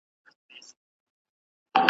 کچالو د ډېرو خوړو برخه ده.